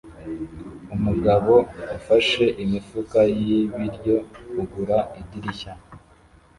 Umugabo ufashe imifuka y'ibiryo kugura idirishya